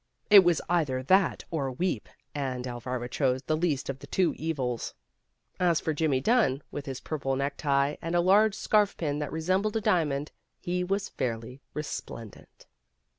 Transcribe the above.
It was either that or weep, and Elvira chose the least of the two evils. As for Jimmy Dunn, with his purple necktie and a large scarfpin that resembled a diamond, he was fairly resplendent.